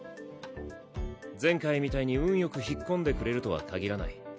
前回みたいに運よく引っ込んでくれるとはかぎらない。